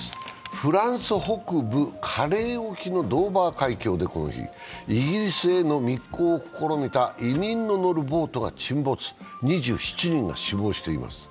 フランス北部カレー沖のドーバー海峡でこの日、イギリスへの密航を試みた移民の乗るボートが沈没、２７人が死亡しています。